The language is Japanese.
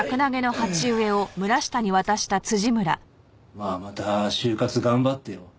まあまた就活頑張ってよ。